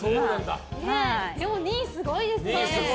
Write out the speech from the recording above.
でも、２位すごいですね。